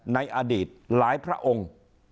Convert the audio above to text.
ในอดีตหลายพระองค์